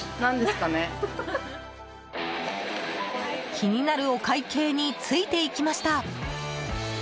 気になるお会計についていきました。